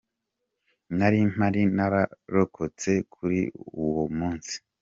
Nari mpari nararokotse kuri uwo munsi.